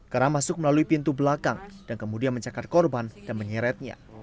kera masuk melalui pintu belakang dan kemudian mencakar korban dan menyeretnya